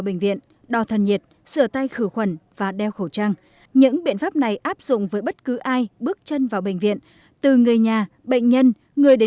bệnh viện ca trung ương ngay từ cổng hai cửa ra vào được kiểm soát chặt chẽ